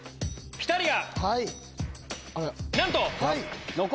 ピタリが‼